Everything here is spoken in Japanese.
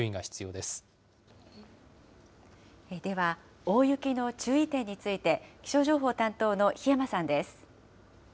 では、大雪の注意点について、気象情報担当の檜山さんです。